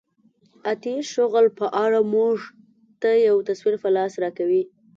اتیوس شغل په اړه موږ ته یو تصویر په لاس راکوي.